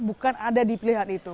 bukan ada di pilihan itu